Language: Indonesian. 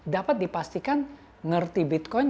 dapat dipastikan ngerti bitcoin